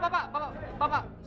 bapak bapak bapak